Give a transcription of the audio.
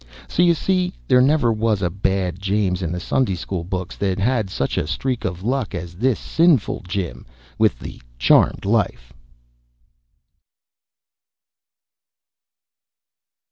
So you see there never was a bad James in the Sunday school books that had such a streak of luck as this sinful Jim with the charmed life.